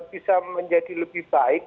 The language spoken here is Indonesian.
bisa menjadi lebih baik